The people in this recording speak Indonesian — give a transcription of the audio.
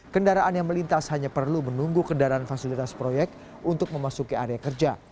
kendaraan yang melintas hanya perlu menunggu kendaraan fasilitas proyek untuk memasuki area kerja